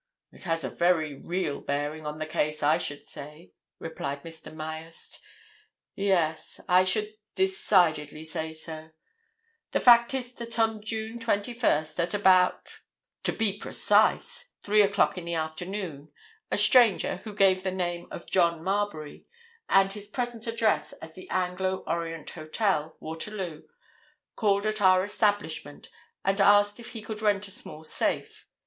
"It has a very real bearing on the case, I should say," replied Mr. Myerst. "Yes, I should decidedly say so. The fact is that on June 21st at about—to be precise—three o'clock in the afternoon, a stranger, who gave the name of John Marbury, and his present address as the Anglo Orient Hotel, Waterloo, called at our establishment, and asked if he could rent a small safe.